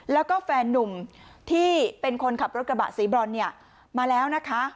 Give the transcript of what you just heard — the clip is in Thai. แล้วก็แฟนนุ่มที่เป็นคนขับรถกระบะสีบรอนเนี่ยมาแล้วนะคะ